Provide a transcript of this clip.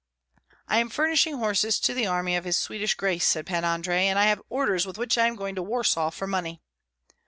"I am furnishing horses to the army of his Swedish Grace," said Pan Andrei, "and I have orders with which I am going to Warsaw for money."